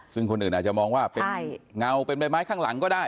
ซึ่งคนอื่นอาจจะมองว่าเป็นเงาเป็นใบไม้ข้างหลังก็ได้